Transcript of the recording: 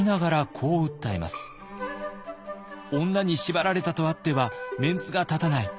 「女に縛られたとあってはメンツが立たない。